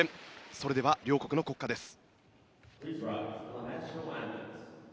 それでは両国の国歌です。